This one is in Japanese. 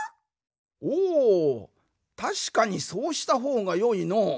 おおたしかにそうしたほうがよいのう。